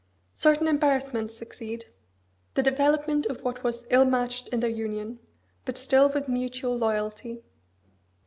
Certain embarrassments succeed; the development of what was ill matched in their union; but still with mutual loyalty.